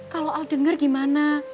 kalau al denger gimana